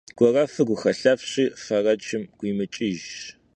Guerefır guxelefşi, fereç'ır guimıç'ıjjş.